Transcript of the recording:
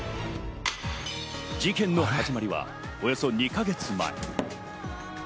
事件の始まりは、およそ２か月前。